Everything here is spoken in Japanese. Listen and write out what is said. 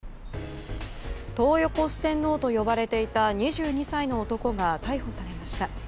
トー横四天王と呼ばれていた２２歳の男が逮捕されました。